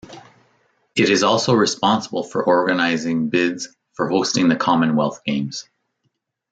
It is also responsible for organising bids for hosting the Commonwealth Games.